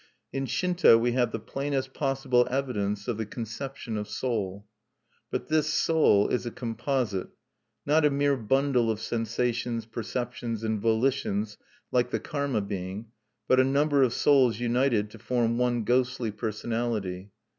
In Shinto we have the plainest possible evidence of the conception of soul. But this soul is a composite, not a mere "bundle of sensations, perceptions, and volitions," like the karma being, but a number of souls united to form one ghostly personality.